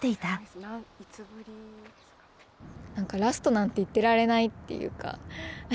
何かラストなんて言ってられないっていうか。